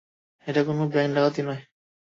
এটা কোনো ব্যাংক ডাকাতি নয়।